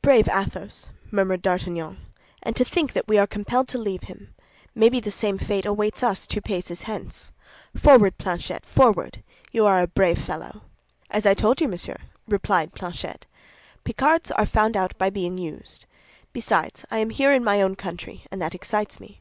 "Brave Athos!" murmured D'Artagnan, "and to think that we are compelled to leave him; maybe the same fate awaits us two paces hence. Forward, Planchet, forward! You are a brave fellow." "As I told you, monsieur," replied Planchet, "Picards are found out by being used. Besides, I am here in my own country, and that excites me."